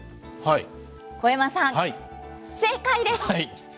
小山さん、正解です。